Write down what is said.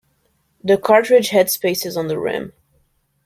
The cartridge headspaces on the rim.